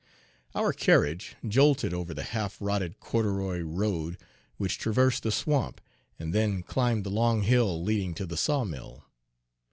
Our carriage jolted over the half rotted corduroy road which traversed the swamp, and then climbed the long hill leading to the sawmill.